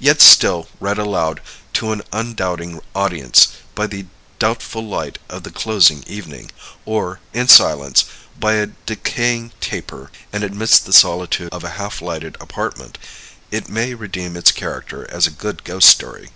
Yet still, read aloud, to an undoubting audience by the doubtful light of the closing evening, or, in silence, by a decaying taper, and amidst the solitude of a half lighted apartment, it may redeem its character as a good ghost story.